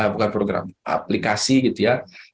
bukan program aplikasi gitu ya